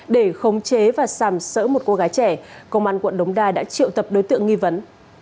để khống chế và sàm sỡ một cô gái trẻ công an quận đống đa đã triệu tập đối tượng nghi vấn